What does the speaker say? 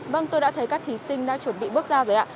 vâng tôi đã thấy các thí sinh đã chuẩn bị bước ra rồi ạ